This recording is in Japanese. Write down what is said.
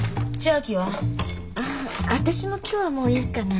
私も今日はもういいかな。